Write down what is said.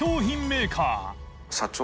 メーカー